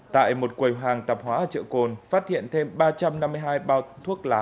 tại một quầy hàng tạp hóa trợ côn phát hiện thêm ba trăm năm mươi hai bao thuốc lá